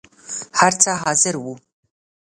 هر څه حاضر وو.